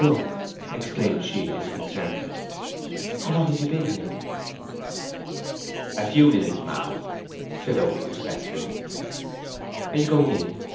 Oak," exclaimed she, disconcerted, "how long have you been here?" "A few minutes, ma'am," said Oak, respectfully. "Are you going in?"